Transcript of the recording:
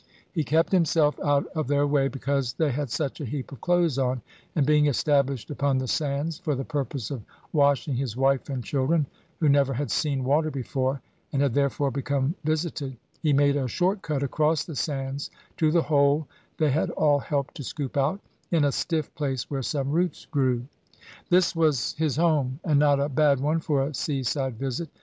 He kept himself out of their way, because they had such a heap of clothes on; and being established upon the sands, for the purpose of washing his wife and children, who never had seen water before, and had therefore become visited, he made a short cut across the sands to the hole they had all helped to scoop out, in a stiff place where some roots grew. This was his home; and not a bad one for a sea side visit.